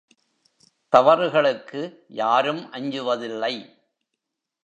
தவறுகளுக்கு யாரும் அஞ்சுவதில்லை.